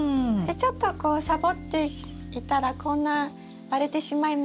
ちょっとこうサボっていたらこんな割れてしまいました。